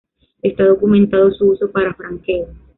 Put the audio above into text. Está documentado su uso para franqueo.